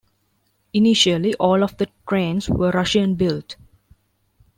Initially, all of the trains were Russian built.